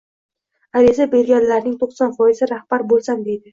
Ariza berganlarning to‘qson foizi rahbar bo‘lsam deydi.